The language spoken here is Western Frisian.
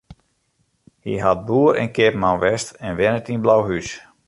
Hy hat boer en keapman west en wennet yn Blauhús.